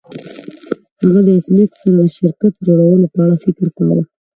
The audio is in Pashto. هغه د ایس میکس سره د شرکت جوړولو په اړه فکر کاوه